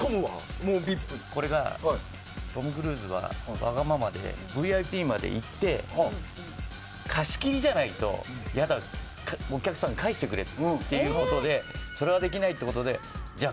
トム・クルーズはわがままで、ＶＩＰまで行って貸し切りじゃないと嫌だとお客さんを帰してくれということでそれはできないってことでじゃあ